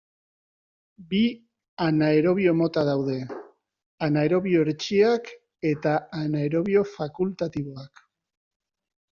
Bi anaerobio mota daude: anaerobio hertsiak eta anaerobio fakultatiboak.